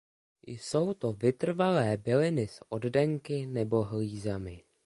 Jsou to vytrvalé byliny s oddenky nebo hlízami.